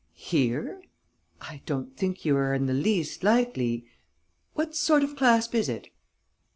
"Here?... I don't think you are in the least likely.... What sort of clasp is it?..."